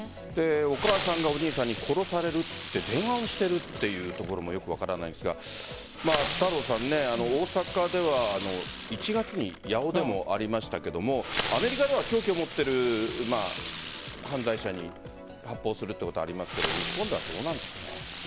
お母さんが、お兄さんに殺されるって電話をしているっていうところもよく分からないんですが大阪では１月に八尾でもありましたがアメリカでは凶器を持っている犯罪者に発砲することはありますが日本ではどうなんですかね？